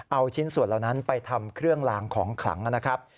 เอาชิ้นส่วนเหล่านั้นไปทำเครื่องลางของขลังนะครับ